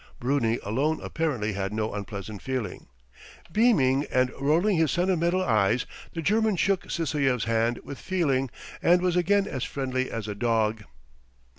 Bruni alone apparently had no unpleasant feeling. Beaming and rolling his sentimental eyes, the German shook Sysoev's hand with feeling and was again as friendly as a dog.